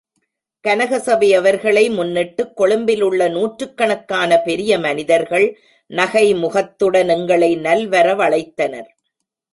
கனக சபையவர்களை முன்னிட்டு, கொழும்பில் உள்ள நூற்றுக்கணக்கான பெரிய மனிதர்கள் நகைமுகத்துடன் எங்களை நல்வரவழைத்தனர்.